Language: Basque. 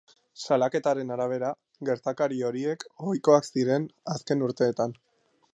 Salaketaren arabera, gertakari horiek ohikoak ziren azken urteetan.